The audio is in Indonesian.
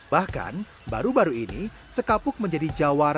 bahkan baru baru ini sekapuk menjadi desa miliarder